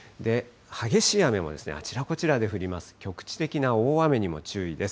激しい雨もあちらこちらで降ります。